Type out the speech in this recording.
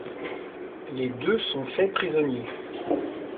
Les deux sont faits prisonniers.